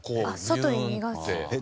あっ外に逃がす。